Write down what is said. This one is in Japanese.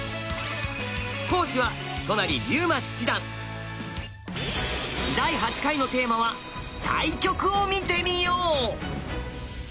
講師は第８回のテーマは「対局を見てみよう」。